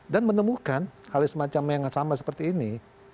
dan menemukan hal semacam yang sama seperti ini